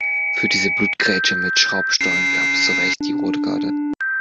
Für diese Blutgrätsche mit Schraubstollen gab es zurecht die rote Karte.